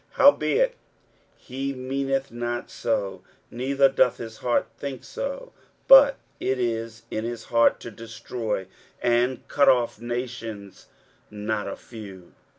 23:010:007 Howbeit he meaneth not so, neither doth his heart think so; but it is in his heart to destroy and cut off nations not a few.